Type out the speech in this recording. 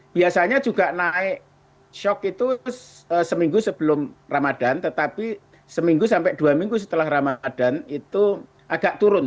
biasanya juga naik shock itu seminggu sebelum ramadan tetapi seminggu sampai dua minggu setelah ramadan itu agak turun